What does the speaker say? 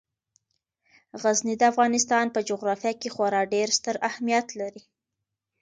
غزني د افغانستان په جغرافیه کې خورا ډیر ستر اهمیت لري.